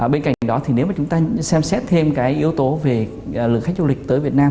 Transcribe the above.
bên cạnh đó thì nếu mà chúng ta xem xét thêm cái yếu tố về lượng khách du lịch tới việt nam